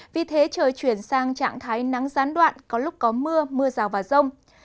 vì thế trời chuyển sang trạng thái nắng gián đoạn có lúc có mưa mưa rào và rông